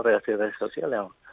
reaksi reaksi sosial yang